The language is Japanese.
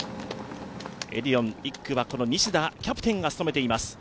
エディオンの１区はキャプテンの西田が務めています。